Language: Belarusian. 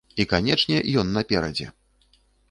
І, канечне, ён наперадзе.